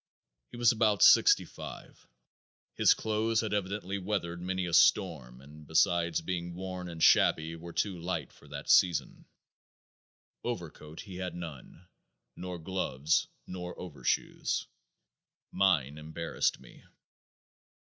He was about 65. His clothes had evidently weathered many a storm and besides being worn and shabby were too light for that season. Overcoat he had none. Nor gloves, nor overshoes. Mine embarrassed me.